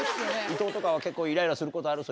いとうとかは結構イライラすることある？